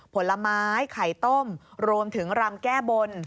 ผลไม้ไข่ต้มรวมถึงรำแก้บน